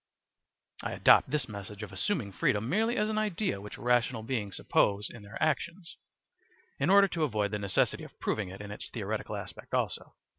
* I adopt this method of assuming freedom merely as an idea which rational beings suppose in their actions, in order to avoid the necessity of proving it in its theoretical aspect also.